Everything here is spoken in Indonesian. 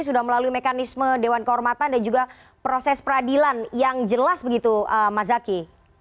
sudah melalui mekanisme dewan kehormatan dan juga proses peradilan yang jelas begitu mas zaky